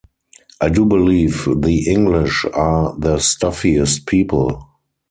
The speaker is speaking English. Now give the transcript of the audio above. I do believe the English are the stuffiest people!